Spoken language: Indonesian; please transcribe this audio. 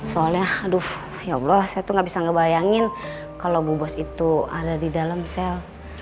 soalnya aduh ya allah saya tuh gak bisa ngebayangin kalau bu bos itu ada di dalam sel